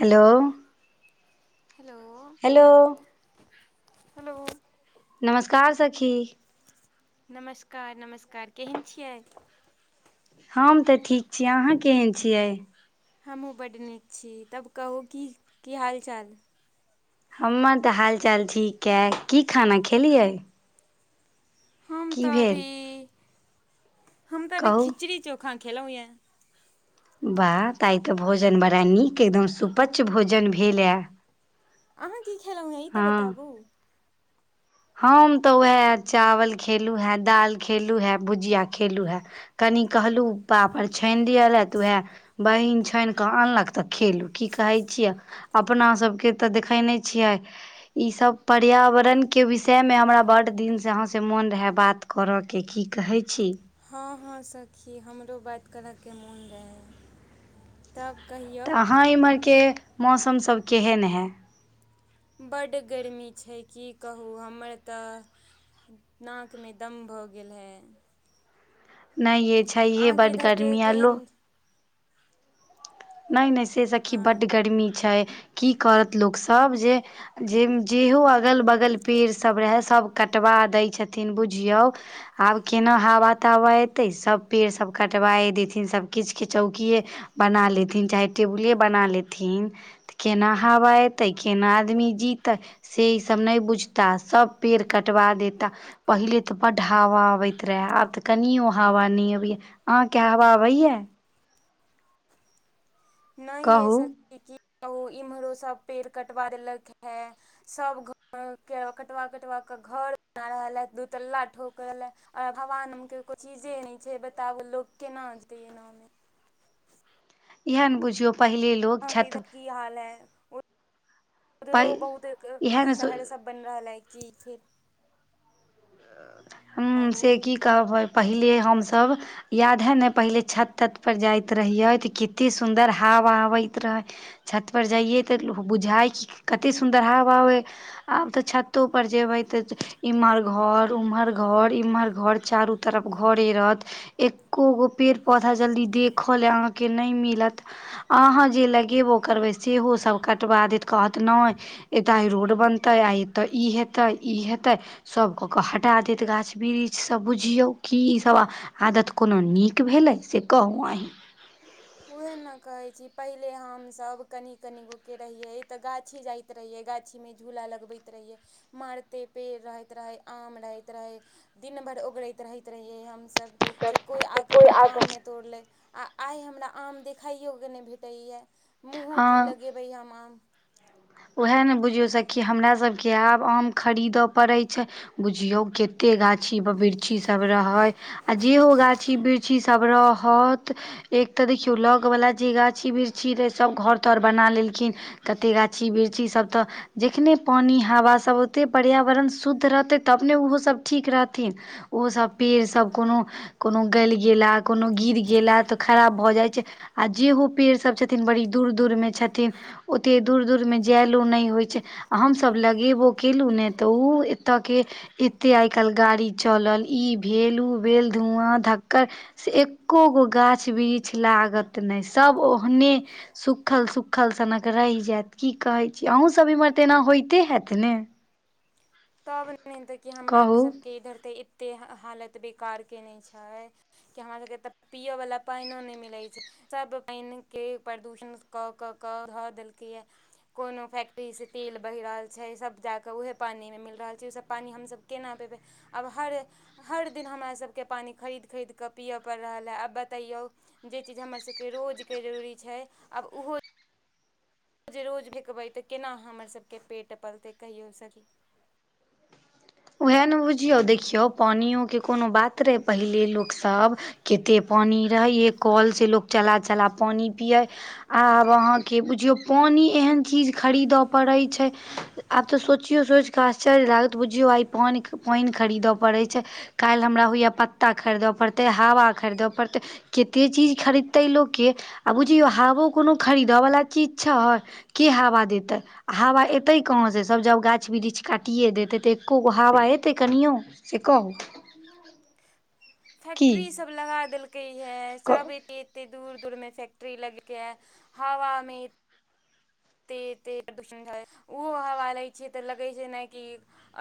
Hello hello hello hello नमस्कार सखी नमस्कार-नमस्कार केहन छियै? हम तऽ ठीक छी अहाँ केहन छियै? हमहूँ बड्ड नीक छी तब कहू की की हालचाल? हमर तऽ हाल चाल ठीक अए की खाना खेलियै? हम की तऽ भेल अभी हम तऽ अभी कहू खिचड़ी चोखा खेलौ यै। बाह तऽ आय तऽ भोजन बड़ा नीक अए एकदम सुपच्च भोजन भेलै। अहाँ की खेलौ है। ई तऽ बताबु? हम तऽ उहे चावल खेलु हे दाल खेलु हे भुजिया खेलु हैं कनि कहलु पापड़ छानि दियलैय ह त उहे बहिन छानि कऽ अनलक तऽ खेलू की कहै छियै। अपना सबके तऽ देखे नहि छियै ईसब पर्यावरण के विषयमे हमरा बड्ड दिनसँ अहाँ सऽ मोन रहै बात करऽ के की कहै छी? हँ हँ सखी हमरो बात करऽ के मोन रहै। तब कहिय तऽ अहाँ इम्हर के मौसम सब केहेन है? बड्ड गरमी छै की कहू हमर तऽ नाक मे दम्म भऽ गेल हेए। नै यै छैहे बड्ड इधरके गर्मी आ लो केहन नै नै से सखी बड्ड हँ गर्मी छै की करत लोक सब जे जे - जेहो अगल बगल पेड़ सब रहेए सब कटवा दै छथिन बुझियौ आब केना हावा - तावा एतै सब पेड़ सब कटवाए देथिन सब किछ कि चौकिए बना लेथिन चाहे टेबुले बना लेथिन। त केना हावा एतै केना आदमी जीतै? से ई सब नै बुझता सब पेड़ कटवा देता। पहिले तऽ बड हावा अबैत रहेए आब तऽ कनियो हावा नै अबैये। अहां के हावा अबैये? नै यै कहू सखी कि कहु इम्हरो सब पेड़ कटवा देलक हें। सब घर के कटबा- कटबा कऽ घर बना रहल ए दूतल्ला ठोक रहल हें। आ भगवान के कोइ चीजे नै छै बताबु लोक केना जीतै एना मे। एहेन बुझियौ पहिलेल हॅं तऽ इधर के इ हाल है प उधरो बहुत इएह ने शहर सब बनि रहल अइ की की? हम्म कहू से की कहबै पहिले हमसब याद है ने पहिले छत- तत पर जाइत रहियै तऽ कित्ते सुन्दर हावा अबैत रहय। छत पर जइयै तऽ बुझाइ कि कते सुन्दर हावा अबइ। आब तऽ छत्तो पर जेबै तऽ इमहर घर उमहर घर इमहर घर चारू तरफ घरे रहत। एक्को गो पेड़- पौधा जल्दी देखऽ ले अहाँके नै मिलत। अहाँ जे लगेबो करबै सेहो सब कटबा देत कहत नै एतऽ आइ रोड बनतय आइ एतऽ ई हेतय ई हेतय सब कऽ कऽ हटा देत। तऽ गाछ - बिरीछ सब बुझियौ की ई सब आदत कोनो नीक भेलै से कहू अहीँ। उहे ने कहै छी पहिले हम सब कनि- कनिगो के रहियै त गाछी जाय त रहियै गाछी मे झूला लगबैत रहियै मारते पेड़ रहैत रहै आम रहैत रहै दिन भर ओगरैत रहैत रहियै हमसब से कोइ आ कऽ हमर आम नै तोड़ लै। आ आइ हमरा आम देखाइयो के नै भेटैये मुँहो की लगेबै हम आम। उहेए ने बुझियौ सखी हमरा सब के आब आम खरीदऽ पड़ै छै बुझियौ कि कि गाछी ब -बिरछी सब रहय आ जेहो गाछी बिरछी सब रहत एक तऽ देखियौ लग बला जे गाछी बिरछी रहे सब घर तर बना लेलखिन कते गाछ छी बिरछी सब तऽ जेखने पानी हवा सब औतै पर्यावरण शुद्ध रहतै तब ने ओहो सब ठीक रहथिन। ओ सब पेड़ सब कोनो कोनो गलि गेला कोनो गिर गेला तऽ खराब भऽ जाइ छै। आ जेहो पेड़ सब छथिन बड़ी दूर- दूर मे छथिन ओते दूर - दूरमे जेएलो नै होइ छै आ हमसब लगेबो केलौं ने तऽ उ एतऽ के एते आइ काइल्ह गाड़ी चलल ई भेल उ भेल धुवां धक्कड़ से एक्को गो गाछ - बिरीछ लागत नै सब ओहने सुखल- सुखल सनक रहि जायत की कहै छी अहूँ सब इम्हर तऽ एना होइते हैत ने। तब नहि तऽ हमरा कहू सब के इधर तऽ एतेक हालत बेकार के नहि छै। कि हमरा सभके तऽ पियै वला पानिओ नहि मिलैत छै। सब पैन के प्रदूषण क क क ध देलकैये। कोनो फैक्ट्री से तेल बहि रहल छै सब जाके उहे पानी मे मिल रहल छै, ई सब पानि हमसभ केना देबै, आब हर हर दिन हमरा सभके पानि खरीद खरीद के पियऽ पड़ि रहल ए आब बतैयौ जे चीज हमर सभके रोजके जरूरी छै, आब ओहो जे रोज लिखबै त केना हमर सब के पेट पलतै, कहियौ सर। ओहे ने बुझियौ, देखियौ पानियो के कोनो बात रहै पहिले लोकसभ कतेक पानि रहै, ए कल से लोक चला चला पानि पियै। आब अहाँके बुझियौ पानि एहन चीज खरीदय पड़ै छै। आब तऽ सोचियौ सोचिकऽ आश्चर्य लागत बुझियौ आइ पानि पैन खरीदऽ पड़ैत छै। काल्हि हमरा होइए पत्ता खरीदय पड़तै हवा खरीदय पड़तै। कतेक चीज खरीदतै लोक यै आ बुझियौ हवो कोनो खरीदयवला चीज छय। के हवा देतै आ हवा एतै कहाँसे सब जब गाछ बिरिछ काटिए देतै त। ओ हवा एतै कनियो से कहु। फैक्ट्री सब लगा देलकै हे सब एते एते दूर दूरमे फैक्ट्री लगेलकैये, हवामे एते एते प्रदूषण है, ओहो हवा रहै छै त लगै छै जेनाकि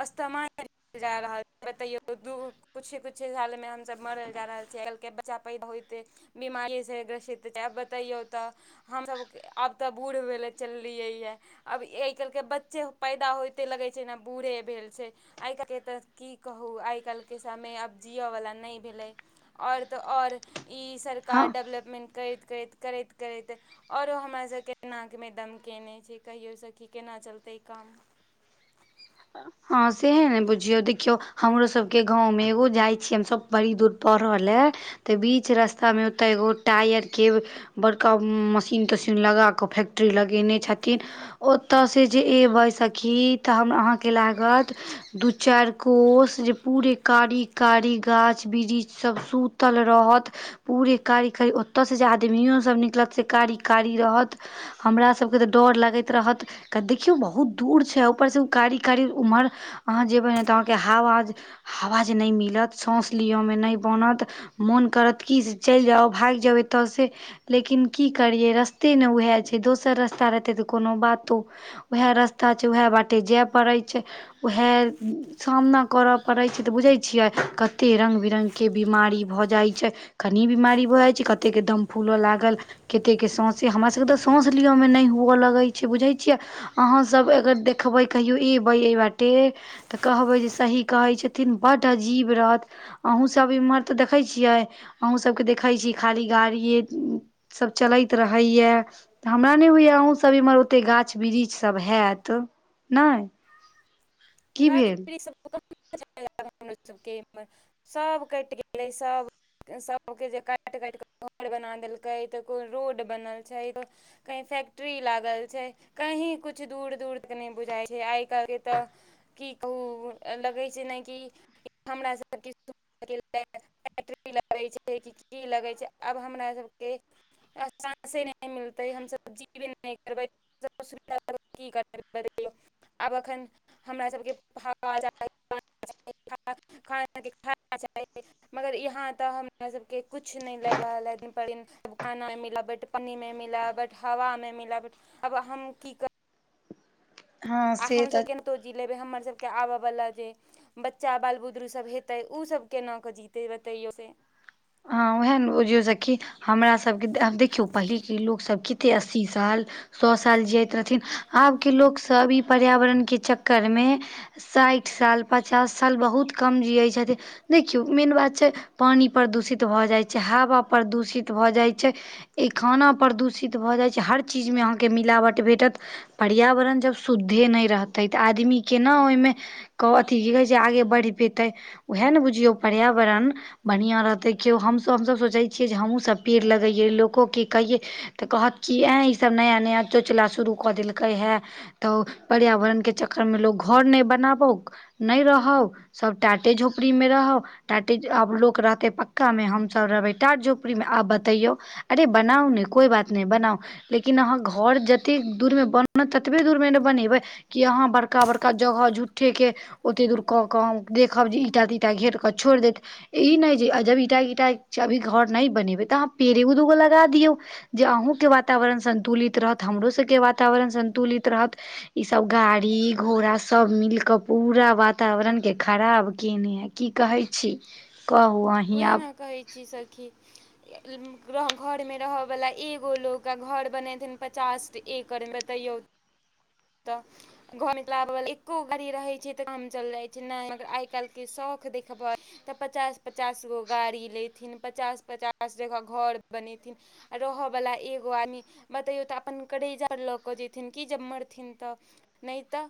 अस्थमा के जा रहल, बतैयो दू कुछ कुछ सालमे हमसभ मरल जा रहल छी आइ काल्हि के बच्चा पैदा होइते बीमारी सं ग्रसित छै, आब बतैयौ त आब त बूढ़ भेलै चललियै ये, आब ए आइ काल्हिके बच्चे पैदा होइते लगैत छै जेना बूढ़े भेल छै। आइ काल्हि त की कहू आइ काल्हिके समय आब जीअ वला नै भेलै। आओर त आओर ई सर कार हँ डेवलपमेंट करैत करैत, करैत करैत औरो हमरा सबके नाकमे दम केने छै कहियौ सखी केना चलतै काम। ह [inaudible] हँ सेहे ने बुझियौ देखियौ हमरो सबके गाँवमे एगो जाइ छी हम सब बड़ी दूर पढ़ऽ ले त बीच रस्तामे ओतऽ एगो टायरके बड़का मशीन तशीन लगाक फैक् ट्री लगेने छथिन, ओतऽ सं जे एबै सखी त हम अहांँ के लागत दू चारि कोस जे पूरे कारी कारी गाछ बिरिछ सब सूत तल रहत, पूरे कारी कारी, ओतऽ से जे आदमियो सब निकलत से कारी कारी रहत। हमरा सबके त डर लगैत रहत, देखियौ बहुत दूर छै ऊपर से उ कारी करीब ओमहर अहाँ जेबै ने त अहाँके हवा हवा जे नै मिलत, सांस लिअमे नै बनत। मोन करत कि से चलि जाउ, भागि जाउ एत से। लेकिन की करियै रस्ते ने उहे छै, दोसर रस्ता रहितै त कोनो बातो। उहे रस्ता छै उहे बाटे जाए परै छै उएह सामना करऽ परै छै त बुझै छियै कते रङ्ग बिरङ्गके बिमारी भ जाइ छै। कनी बिमारी भ जाइ छै, कतेके दम फूल लागल केतेके साँसे, हमरा सभके त साँस लिअमे नै हुअ लगै छै बुझै छियै। अहाँ सब अगर देखबै कहियो एबै ऐ बाटे त कहबै जे सही कहै छथिन, बड अजीब रहत। अहूँ सब इम्हर त देखै छियै, अहूँ सबके देखै छी खाली गाड़िये सब चलैत रहैए। हमरा नै होइए, अहूँ सब इम्हर ओतेक गाछ बिरीछ सब हैत। नैऽ। गाछ बिरीछ सब [unintelligible] सब कटि गेलै सब सबके जे काटि -काटि कऽ घर बना देलकै, रोड बनल छै। कहीं फैक्ट्री लागल छै। कहीँ कुछ दूर- दूर तक नै बुझाइ छै, आइ काल्हिके तऽ। की कहू लगै छै ने कि, हमरा सभके किछ फैक्टरी लगै छै, कि की लगै छै, आब हमरा सभके आ साँसे नै मिलतै, हम सब जीबे नै करबै की कर आब एखन [unintelligible] हमरा सबके ह [unintelligible] [unintelligible] पानी मे मिलाबट, हावा मे मिलाबट, आब हम की क हँ आ से हम तऽ सब केनाहितो जी लेबै, हमर सबके आबवला जे बच्चा बाल बुतरु सब हेतै, उ सभ केना क जीतै, बतैयौ ते। हं वैह ने बुझिऔ सखी। हमरा सबके आब देखियौ, पहिलेके लोक सब कतेक अस्सी साल सौ साल जियैत रहथिन, आबके लोक सब ई पर्यावरणके चक्कर में साठि साल पचास साल बहुत कम जियैत छथिन, देखियौ मेन बात छै पानी प्रदूषित भऽ जाइत छै, हवा प्रदूषित भऽ जाइत छै एहि खाना प्रदूषित भऽ जाइत छै, हर चीजमेऊ अहाँकेँ मिलावट भेटत। पर्यावरण जब शुद्धे नहि रहतै तऽ, आदमी केना ओहि में क अथी की कहे छै, आगे बढ़ि पेते उएह ने बुझियौ पर्यावरण बढ़िया रहतै कियौ हमसब सोचै छियै जे, हमहु सब पेड़ लगैयै लोकोके कहियै तऽ कहत कि ऐंय इसभ नया -नया चोंचला शुरू कऽ देलकै हे। तऽ पर्यावरणके चक्कर में लोक घर नहि बनाबौ। नहि रहौ, सब टाटे झोपड़ीमे रहौ, टाटे आब लोक रहते पक्का में हमसब रहबै टाट झोपड़ी में, आब बतैयौ अरे बनाउ ने कोइ बात नहि बनाउ लेकिन अहाँ घर जतेक दूर में बनत ततबे दूर में ने बनेबै। कि आहाँ बड़का- बड़का जगह झूठे के ओते दूर कऽ- कऽ हम देखब जे ईंटा तींटा घेट कऽ छोड़ि देत, ई नै जे जब ईंटा -ईटा अभी घर नहि बनेबै, तऽ अहाँ पेड़े एगो दछगो लगा दियऔ। जे अहूँके वातावरण संन्तुलित रहत, हमरो सबके वातावरण संन्तुलित रहत। इ सब गाड़ी घोड़ा सब मिल के पूरा वातावरण के खराब केने है। की कहै छी कहू अ उएह ने कहै छी सखी। [inaudible] घर में रहऽ वाला एगो लोक आ घर बनेथिन पचास एकड़ में बतैयौ। तऽ। घर मेत लऽ आबय वला एको गाड़ी रहे छै, तऽ काम चल जाय छै, ने मगर आइ काल्हि के शौख देखबै तऽ पचास-पचास गो गाड़ी लेथिन, पचास- पचास जगह घर बनेथिन। रहय बाला एगो आदमी बतैयो तऽ, अपन करैजा लऽ केऽ जेथिन कि जब मर थिन तऽ नै तऽ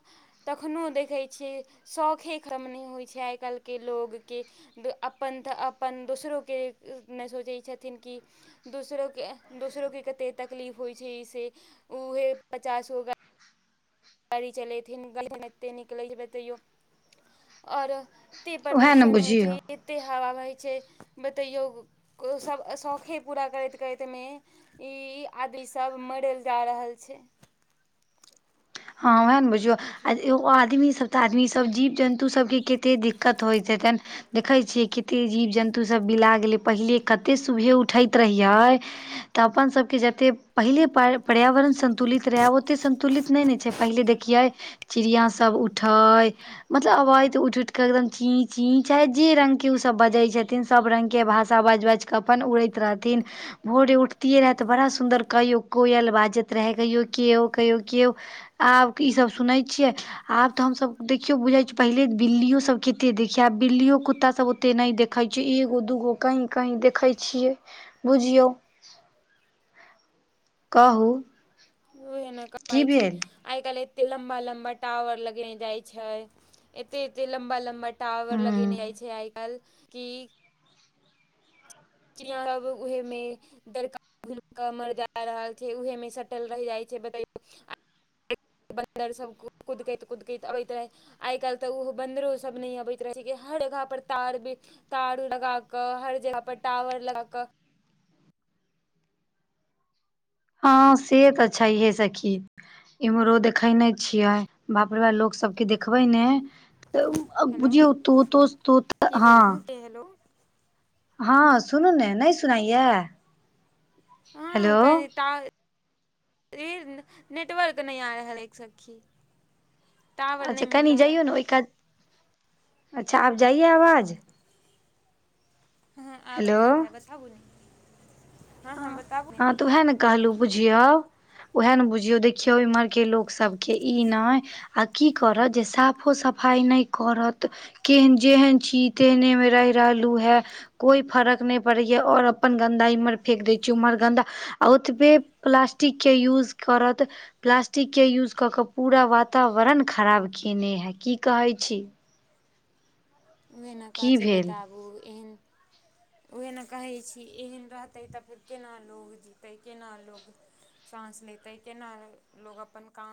तखनो देखै छियै शौखे खत्म नै होय छै आय काएल के लोग के। द अपन तऽ अपन दोसरो के ए नै सोचै छथिन कि दोसरोे के एंह दोसरोे के कते तकलीफ होय छै इसे उहे पचासगो गा गाड़ी चलेथिन गाड़ी एते नीक लगै छै बतैयो और एते उएह ने प्रदूषण होय छै। बुझियौ एते हवा बहै छै बतैयौ उ सब अ शौखे पूरा करैत-करैत मे ई आदि सब मरल जा रहल छै। हां वाएह ने बुझियौ अ ए ओ आदमी सब तऽ आदमी सब जीव-जन्तु सबके कते दिक्कत होएत हेतैन। देखै छियै किते जीव-जन्तु सब बिला गेलै पहिले कते सुबेह उठैत रहियै। तऽ अपन सबके जते पहिले पर पर्यावरण संतुलित रहे आ ओते सन्तुलित नै ने छै, पहिले देखियै चिड़ियाँ सब उठै मतलब अबैत उठ-उठ के एकदम चीं-चीं चाहे जे रंग के उ सब बजै छथिन। सब रंग के भाषा बाएज-बाएज कऽ अपन उड़ैत रहथिन। भोरे उठतियै रहै तऽ बड़ा सुन्दर कहियो कोयल बाजत रहै, कहियो केओ, कहियो केओ। आब की ई सब सुनै छियै। आब तऽ हम सब देखियो बुझे छी पहले बिल्लियो सब केते देखिये, आब बिल्लियो, कुत्ता सब ओते नै दे खै छी, एगो-दूगो कहीं-कहीं देखै छियै बुझियौ। कहु। ओह एना कहै छी। आय काएल एते लम्बा-लम्बा टावर लगने जाय छै, एते-एते लम्बा-लम्बा टावर हूँ लगेने जाय छै आय काएल कि चिड़ियां सब उहे मे डर का, घुम के मर जाय रहल छै, उहे मे सटल रैह जाय छै, बतैयो आ बन्दर सब कुदकैत-कुदकैत अबैत रहै। आय-काएल तऽ उहो बन्दरो सब नै अबैत रहै छै कि हर जगह पर तार बी तार लगा कऽ, हर जगह पर टावर लगा कऽ हां से तऽ छैहये सखी। इम्हरो देखै नै छियै बाप रे बा लोक सबके देखबै नै तऽ उ अ हेलो बुझियौ तो-तो-तो-त हां। ए हेलो। हां सुनू ने, नै सुनायया। हां कनि टा री नेटवर्क नै आ रहले सखी। टावर नै मिल रहलै। ओय कात, अच्छा आब जायया अवाज। हां आब हेलो रहल है बताबु ने। हँ हां, हँ बताबू हां तऽ उहाए ने कहलु बुझयौ उहाए न बुझयौ देखियौ इम्हर के लोक सबके ई नै आ की करत जे साफो-सफाई नै करत। केहन जेहन छी तेहने मे रैह रहलु हय। कोई फरक नै पड़ैया और अपन गन्दा इम्हर फेक दै छी उम्हर गन्दा आ ओतबे प्लास्टिक के यूज करत। प्लास्टिक के यूज कऽ कऽ पूरा वातावरण खराब केने हए की कहै छी। उहे न की काची भेल बताबु एहेन उहे न कहै छी एहन रहतै तऽ फेर केना लोग जीतै केना लोग साँस लेतै केना लोग अपन काम